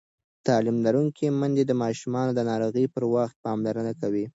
تعلیم لرونکې میندې د ماشومانو د ناروغۍ پر وخت پاملرنه کوي.